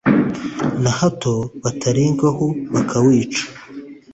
na hato batarengwaho bakawica